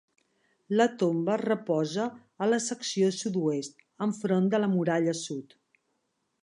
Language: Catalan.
La tomba reposa a la secció sud-oest, enfront de la muralla sud.